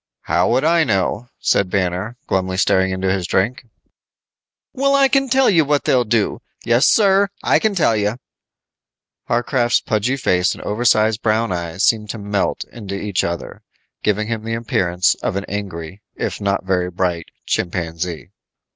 "How would I know," said Banner, glumly staring into his drink. "Well, I can tell you what they'll do. Yes, sir, I can tell you." Warcraft's pudgy face and oversize brown eyes seemed to melt into each other, giving him the appearance of an angry, if not very bright, chimpanzee.